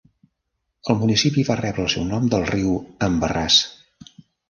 El municipi va rebre el seu nom del riu Embarrass.